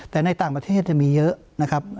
แต่ในต่างประเทศมีเยอะนะครับ